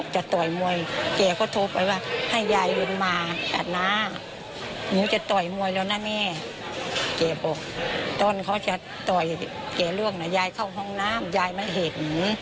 เจ๊เลือกนะยายเข้าห้องน้ำยายไม่เห็น